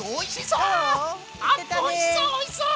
おいしそうおいしそう！